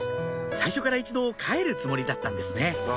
最初から一度帰るつもりだったんですね